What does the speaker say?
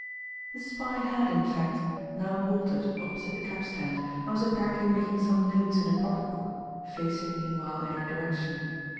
The spy had, in fact, now halted opposite the cabstand and was apparently making some notes in a pocket book, facing, meanwhile, in our direction.